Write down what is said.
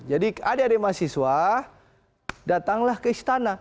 jadi adik adik mahasiswa datanglah ke istana